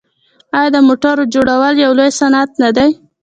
آیا د موټرو جوړول یو لوی صنعت نه دی؟